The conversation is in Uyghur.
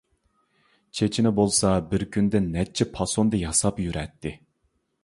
چېچىنى بولسا بىر كۈندە نەچچە پاسوندا ياساپ يۈرەتتى.